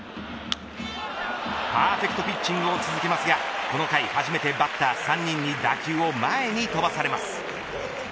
パーフェクトピッチングを続けますが、この回初めてバッター３人に打球を前に飛ばされます。